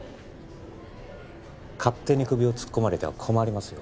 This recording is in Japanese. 勝手に首を突っ込まれては困りますよ